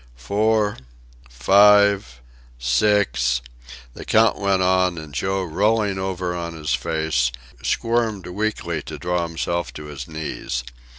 "Four five six " the count went on, and Joe, rolling over on his face, squirmed weakly to draw himself to his knees.